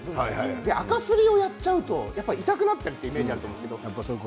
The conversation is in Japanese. あかすりをやっちゃうと痛くなったりというイメージがあると思います。